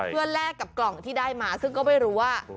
เพื่อแลกกับกล่องที่ได้มาซึ่งก็ไม่รู้ว่า